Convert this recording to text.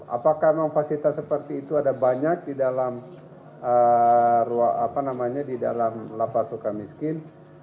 apakah memang fasilitas seperti itu ada banyak di dalam lapas suka miskin